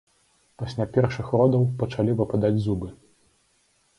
Пасля першых родаў пачалі выпадаць зубы.